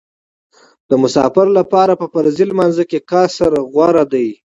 د مسافر لپاره په فرضي لمانځه کې قصر غوره دی